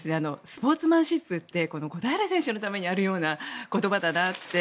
スポーツマンシップって小平選手のためにあるような言葉だなって